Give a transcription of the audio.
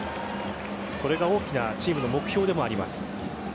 それが大きなチームの目標でもあります。